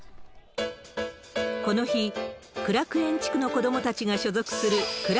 この日、苦楽園地区の子どもたちが所属する苦楽